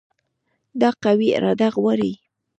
دا قوي اراده غواړي.